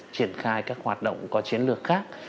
triển khai các hoạt động có chiến lược khác